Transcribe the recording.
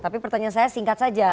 tapi pertanyaan saya singkat saja